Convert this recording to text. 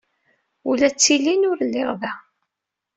Ula d tillin ur lliɣ da.